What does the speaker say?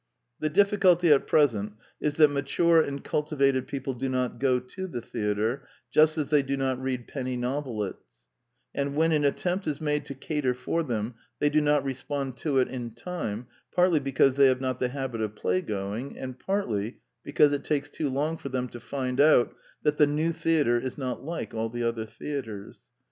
The difficulty at present is that mature and cultivated people do not go to the theatre, just as they do not read penny novelets; and when an attempt is made to cater for them they do not respond to it in time, partly because they have not the habit of playgoing, and partly because it takes too long for them to find out that the new theatre is not like all the other theatres.